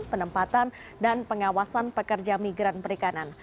penempatan dan pengawasan pekerja migran perikanan